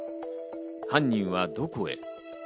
犯人はどこへ？